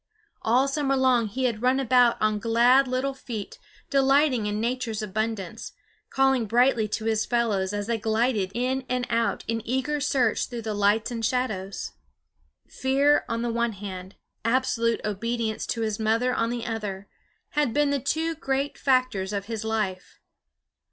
All summer long he had run about on glad little feet, delighting in nature's abundance, calling brightly to his fellows as they glided in and out in eager search through the lights and shadows. Fear on the one hand, absolute obedience to his mother on the other, had been the two great factors of his life.